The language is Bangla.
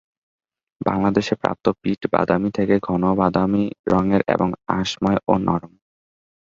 বাংলাদেশে প্রাপ্ত পিট বাদামি থেকে ঘন বাদামি রঙের এবং আঁশময় ও নরম।